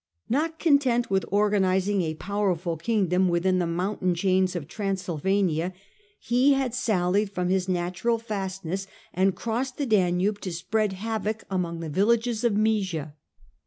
Not content with organiz ing a powerful kingdom within the mountain chains of Transylvania, he had sallied from his natural fastness 28 A,0. The Age of the Antonines, and crossed the Danube to spread havoc among the vil lages of Moesia.